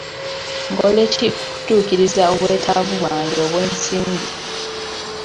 Nkole ki okutuukiriza obwetaavu bwange obw'ensimbi?